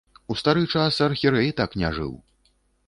У стары час архірэй так не жыў.